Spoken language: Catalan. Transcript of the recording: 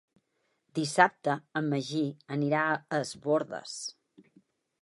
Dissabte en Magí anirà a Es Bòrdes.